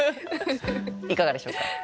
いかがでしょうか。